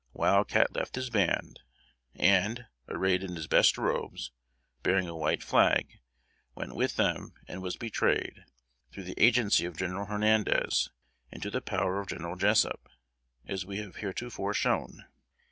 Wild Cat left his band; and, arrayed in his best robes, bearing a white flag, went with them and was betrayed, through the agency of General Hernandez, into the power of General Jessup, as we have heretofore shown.